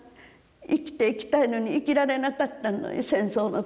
生きていきたいのに生きられなかったの戦争のために。